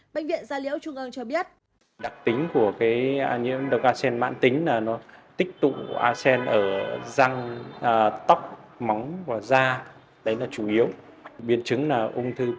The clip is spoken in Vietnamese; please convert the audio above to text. bệnh viện gia liễu trung ơn cho biết